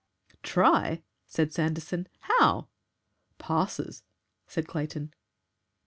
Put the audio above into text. "Try!" said Sanderson. "HOW?" "Passes," said Clayton.